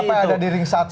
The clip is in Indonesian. siapa yang ada di ring satu